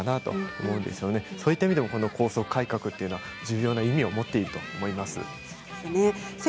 そういった意味でも校則改革というのは重要な意味を持っていると思います。